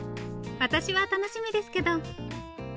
私は楽しみですけど。